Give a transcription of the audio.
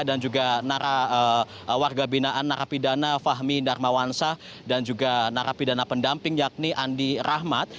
dan juga warga binaan narapidana fahmi narmawansa dan juga narapidana pendamping yakni andi rahmat